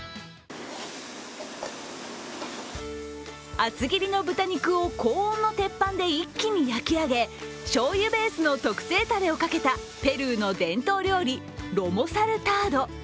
厚切りの豚肉を高温の鉄板で一気に焼き上げ、しょうゆベースの特製たれをかけたペルーの伝統料理、ロモサルタード。